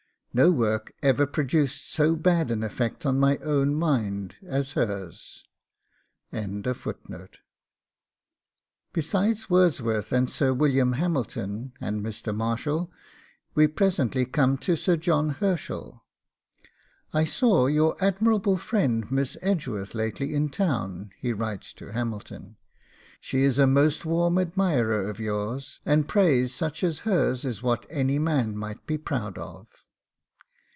... No works ever produced so bad an effect on my own mind as hers.' Besides Wordsworth and Sir William Hamilton and Mr. Marshall, we presently come to Sir John Herschell. 'I saw your admirable friend Miss Edgeworth lately in town,' he writes to Hamilton; 'she is a most warm admirer of yours, and praise such as hers is what any man might be proud of.